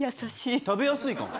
食べやすいかも。